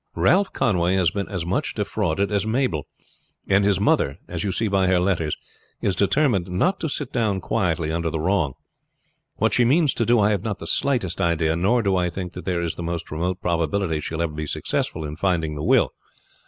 Ralph Conway has been as much defrauded as Mabel, and his mother, as you see by her letters, is determined not to sit down quietly under the wrong. What she means to do I have not the slightest idea, nor do I think that there is the most remote probability she will ever succeed in finding the will.